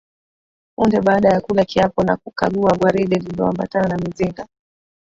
Punde baada ya kula kiapo na kukagua gwaride lililoambatana na mizinga